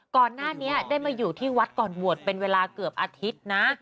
ก่อนหน้านี้ได้มาอยู่ที่วัดก่อนบวชเป็นเวลาเกือบอาทิตย์นะ